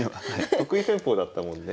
得意戦法だったもんね。